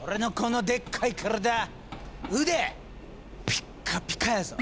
ピッカピカやぞ。